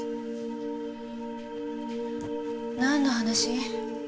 なんの話？